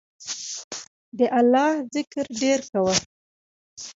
د الله ذکر ډیر کوه